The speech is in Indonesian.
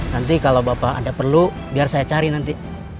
nanti kalau bapak ada perlu biar saya cari nanti